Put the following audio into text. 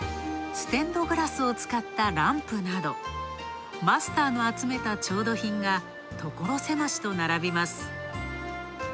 ステンドグラスを使ったランプなど、マスターの集めた調度品が所狭しと並びます。